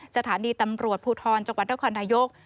จัดฐานีตำรวจผู้ทรจักรวรรดิกวัฒนธรรมนายก